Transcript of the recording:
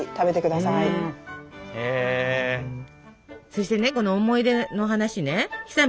そしてねこの思い出の話ねひさ